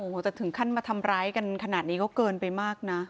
โอ้โหแต่ถึงขั้นมาทำร้ายกันขนาดนี้ก็เกินไปมากนะ